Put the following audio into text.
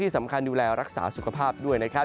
ที่สำคัญอยู่แล้วรักษาสุขภาพด้วยนะครับ